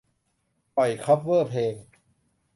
ปล่อยคัฟเวอร์เพลง